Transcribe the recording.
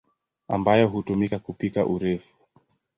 ambayo hutumika kupika urefu.